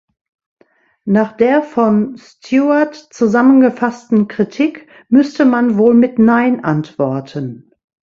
Nach der von Stewart zusammengefassten Kritik müsste man wohl mit nein antworten.